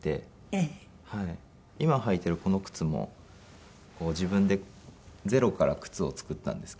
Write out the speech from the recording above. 今履いているこの靴も自分でゼロから靴を作ったんですけど。